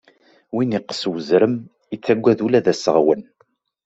Win iqqes uzrem, ittagad ula d aseɣwen.